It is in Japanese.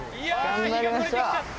頑張りましょう。